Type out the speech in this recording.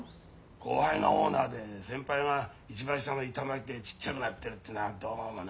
後輩がオーナーで先輩が一番下の板前でちっちゃくなってるってのはどうもな。